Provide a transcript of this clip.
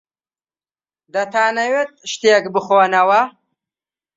دەتانەوێت شتێک بخۆنەوە؟